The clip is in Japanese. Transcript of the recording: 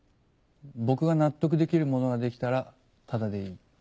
僕が納得できるものができたらタダでいい。